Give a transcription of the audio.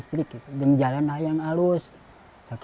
saya ingin berjalan dengan berlalu